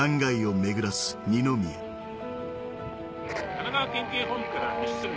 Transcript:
神奈川県警本部から西鶴見。